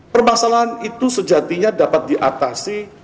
permasalahan itu sejatinya dapat diatasi